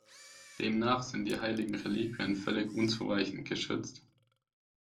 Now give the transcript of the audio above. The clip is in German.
Demnach sind die heiligen Reliquien völlig unzureichend geschützt.